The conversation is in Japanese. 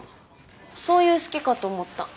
そういう好きかと思った。